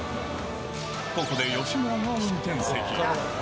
ここで吉村が運転席へ。